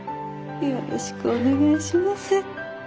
よろしくお願いします。